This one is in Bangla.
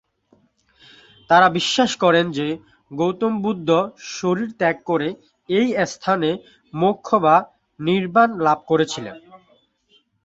তারা বিশ্বাস করেন যে, গৌতম বুদ্ধ শরীর ত্যাগ করে এই স্থানে 'মোক্ষ' বা 'নির্বাণ' লাভ করেছিলেন।